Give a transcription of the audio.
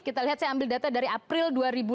kita lihat saya ambil data dari april dua ribu dua puluh